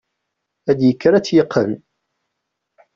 Ad yekker ad tt-yeqqen.